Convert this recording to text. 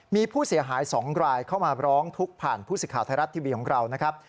มีผู้เสียหาย๒รายเข้ามาร้องทุกข์ผ่านผู้สิทธิ์ไทยรัฐทีวีของเรานะครับ